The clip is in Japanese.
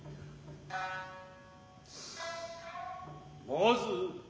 まず。